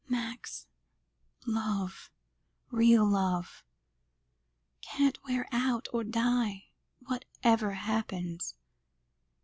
"Max, love real love can't wear out or die, whatever happens.